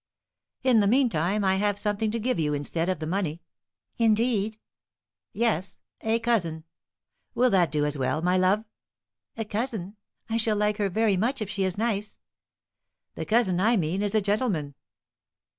"In the meantime I have something to give you instead of the money." "Indeed!" "Yes; a cousin. Will that do as well, my love?" "A cousin? I shall like her very much if she is nice." "The cousin I mean is a gentleman."